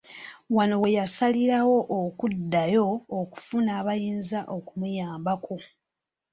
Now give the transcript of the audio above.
Wano we yasalirawo okuddayo okufunayo abayinza okumuyambako.